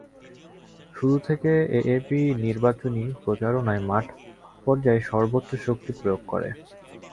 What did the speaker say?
শুরু থেকে এএপি নির্বাচনি প্রচারণায় মাঠ পর্যায়ে সর্ব্বোচ্য শক্তি প্রয়োগ করে।